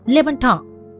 một lê văn thọ